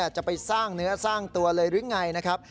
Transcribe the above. จะไปสร้างเนื้อสร้างตัวเลยหรือไงนะครับ